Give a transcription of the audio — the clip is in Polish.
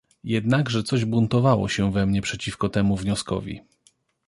"Jednakże coś buntowało się we mnie przeciwko temu wnioskowi."